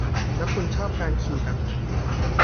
แล้วคุณชอบการขี่แบบไหน